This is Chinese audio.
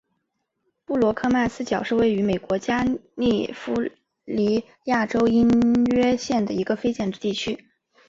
布罗克曼斯角是位于美国加利福尼亚州因约县的一个非建制地区。